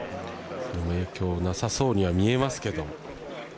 でも、影響なさそうには見えますけど。